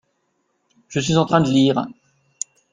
je suis en train de lire.